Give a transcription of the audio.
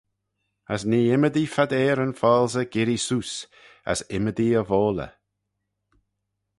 As nee ymmodee phadeyryn foalsey girree seose, as ymmodee y voylley.